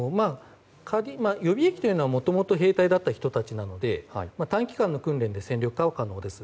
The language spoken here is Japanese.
予備役というのはもともと兵隊だった人たちなので短期間の訓練で戦力化は可能です。